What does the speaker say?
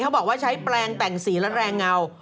บอกว่าใช้แปลงแต่งสีและแรงเงา